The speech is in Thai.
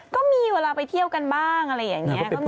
ก็มีเวลาไปเที่ยวกันบ้างอะไรอย่างนี้